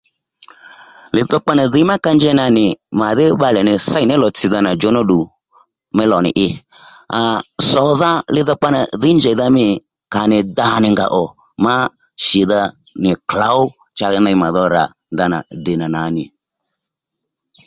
Li dhokpa nà dhǐy ma ka njeynà nì màdhí bbalè nì ssey nì lòtsìdha nà djǒ nó ddù mí lò nì i aa sòdha li dhokpa nà dhǐy njèydha mî kà nì da nì nga ò ma shìdha nì klǒw cha ney mà dho ra ndana denà nà nì